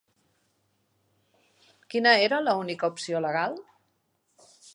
Quina era l'única opció legal?